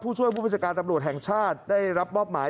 ช่วยผู้บัญชาการตำรวจแห่งชาติได้รับมอบหมาย